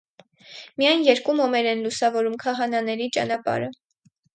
Միայն երկու մոմեր են լուսավորում քահանաների ճանապարհը։